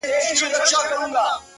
د قرآن دېرسو سېپارو ته چي سجده وکړه”